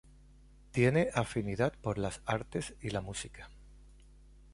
Tiene afinidad por las artes y la música.